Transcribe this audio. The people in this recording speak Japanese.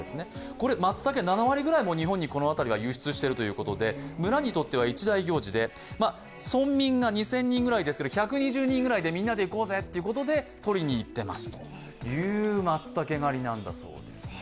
これ、松茸、７割ぐらい日本に輸出しているということで村にとっては一大行事で、村民が２０００人くらいですが、１２０人くらい、みんなで行こうぜということでとりにいっているという松茸狩りです。